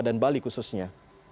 dan bali khususnya